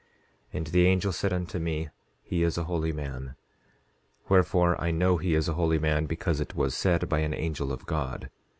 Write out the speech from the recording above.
10:9 And the angel said unto me he is a holy man; wherefore I know he is a holy man because it was said by an angel of God.